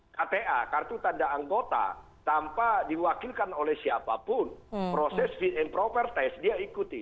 kta kartu tanda anggota tanpa diwakilkan oleh siapapun proses fit and proper test dia ikuti